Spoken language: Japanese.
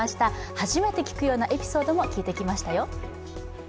初めて聞くようなエピソードも聞いてきましたよ。